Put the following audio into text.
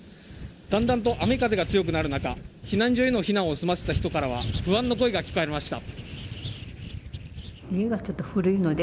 だんだんと雨風が強くなる中避難所への避難を済ませた人からは不安の声が聞かれました。